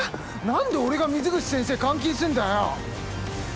何で俺が水口先生監禁すんだよ。